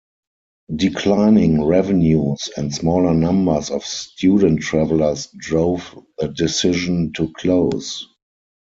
Declining revenues and smaller numbers of student travelers drove the decision to close.